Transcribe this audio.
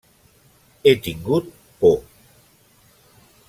He tingut por.